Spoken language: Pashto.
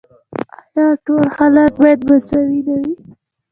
آیا ټول خلک باید مساوي نه وي؟